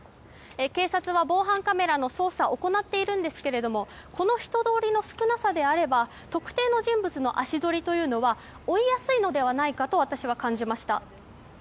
警察は、防犯カメラの捜査を行っているんですけれどもこの人通りの少なさであれば特定の人物の足取りは追いやすいのではないかと私は感じました。